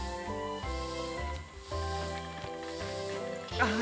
ああ！